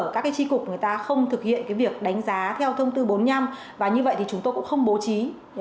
các tri cục người ta không thực hiện việc đánh giá theo thông tư bốn mươi năm và như vậy thì chúng tôi cũng không bố trí